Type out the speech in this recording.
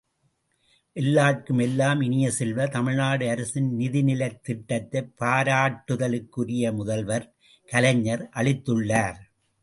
எல்லார்க்கும் எல்லாம் இனிய செல்வ, தமிழ்நாடு அரசின் நிதிநிலைத் திட்டத்தை, பாராட்டுதலுக்குரிய முதல்வர் கலைஞர் அளித்துள்ளார்.